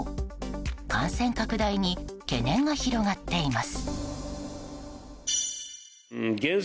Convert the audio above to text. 感染拡大に懸念が広がっています。